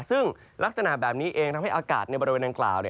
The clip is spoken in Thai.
ซึ่งลักษณะแบบนี้เองทำให้อากาศในบริเวณดังกล่าว